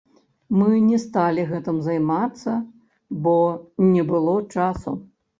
Мы не сталі гэтым займацца, бо не было часу.